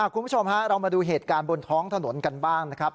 คุณผู้ชมฮะเรามาดูเหตุการณ์บนท้องถนนกันบ้างนะครับ